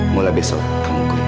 mulai besok kamu kuliah